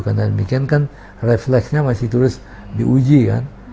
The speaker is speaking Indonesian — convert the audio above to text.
karena demikian kan refleksnya masih terus diuji kan